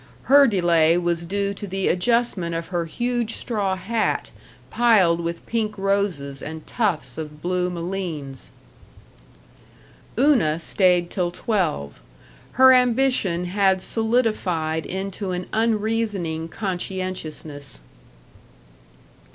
Her delay was due to the adjustment of her huge straw hat, piled with pink roses and tufts of blue malines. Una stayed till twelve. Her ambition had solidified into an unreasoning conscientiousness.